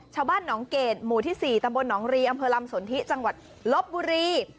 ชาวบ้านหนองเกดหมู่ที่๔ตำบลหนองรีอำเภอลำสนทิจังหวัดลบบุรี